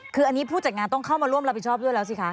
คืออันนี้ผู้จัดงานต้องเข้ามาร่วมรับผิดชอบด้วยแล้วสิคะ